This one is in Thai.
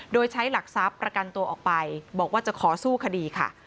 โดยใช้หลักทรัพย์ประกันตัวออกไปบอกว่าจะขอสู้คดีค่ะ